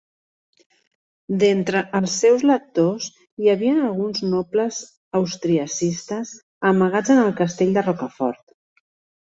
D'entre els seus lectors hi havien alguns nobles austriacistes amagats en el castell de Rocafort.